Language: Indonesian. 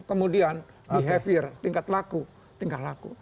kemudian behavior tingkat laku